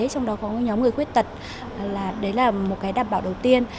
trong đó có nhóm người khuyết tật đấy là một đảm bảo đầu tiên